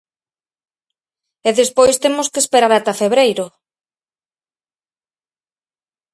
E despois temos que esperar ata febreiro.